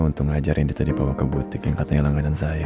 ya untung aja randy tadi bawa ke butik yang katanya langganan saya